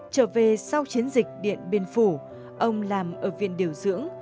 trở về sau chiến dịch điện biên phủ ông làm ở viện điều dưỡng